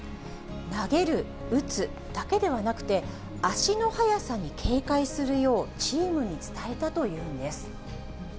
投げる、打つだけではなくて、足の速さに警戒するよう、チームに伝えたというんです。